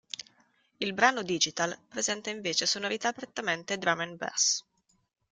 Il brano "Digital" presenta invece sonorità prettamente drum and bass.